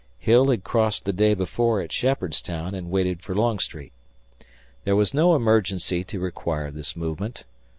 Hill had crossed the day before at Shepherdstown and waited for Longstreet. There was no emergency to require this movement.